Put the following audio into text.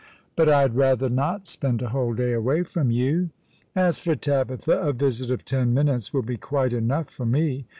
" But I had rather not spend a whole day away from you. As for Tabitha, a visit of ten minutes will be quite enough for me.